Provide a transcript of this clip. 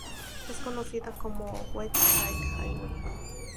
Es conocida como la Westside Highway.